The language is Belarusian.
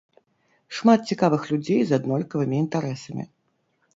Шмат цікавых людзей з аднолькавымі інтарэсамі.